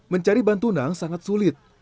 mencari bantunang sangat sulit